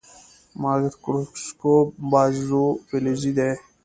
مایکروسکوپ بازو فلزي دی.